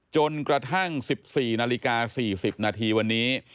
จนกระทั่ง๑๔นาฬิกา๔๐นาทีวันนี้